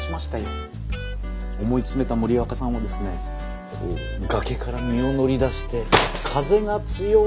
思い詰めた森若さんはですねこう崖から身を乗り出して風が強い。